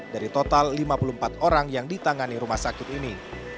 dari total lima puluh empat orang yang ditangani rumah sakit ini